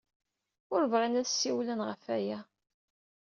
Ur bɣin ad d-ssiwlen ɣef waya.